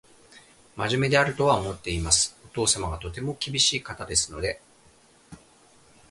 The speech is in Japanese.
真面目であるとは思っています。お父様がとても厳しい方ですので